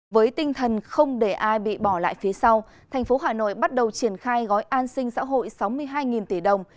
với tinh thần không để ai bị bỏ lại phía sau thành phố hà nội bắt đầu triển khai gói an sinh xã hội sáu mươi hai tỷ đồng